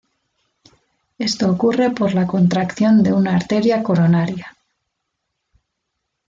Esto ocurre por la contracción de una arteria coronaria.